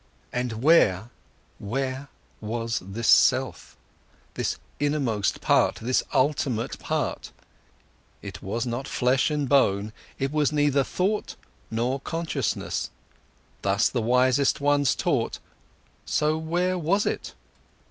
But where, where was this self, this innermost part, this ultimate part? It was not flesh and bone, it was neither thought nor consciousness, thus the wisest ones taught. So, where, where was it?